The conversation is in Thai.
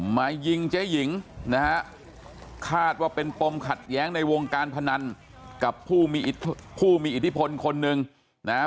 มายิงเจ๊หญิงนะฮะคาดว่าเป็นปมขัดแย้งในวงการพนันกับผู้มีผู้มีอิทธิพลคนหนึ่งนะฮะ